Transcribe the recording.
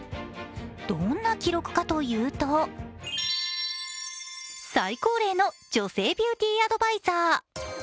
どんな記録かというと最高齢の女性ビューティーアドバイザー。